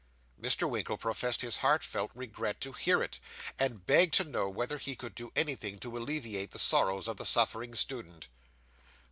Mr. Winkle professed his heartfelt regret to hear it, and begged to know whether he could do anything to alleviate the sorrows of the suffering student.